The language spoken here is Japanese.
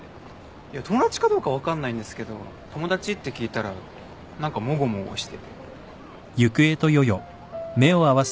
いや友達かどうか分かんないんですけど「友達？」って聞いたら何かもごもごしてて。